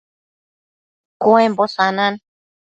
Cuembo sanan